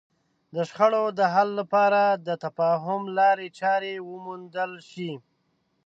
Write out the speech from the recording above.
د شخړو د حل لپاره د تفاهم لارې چارې وموندل شي.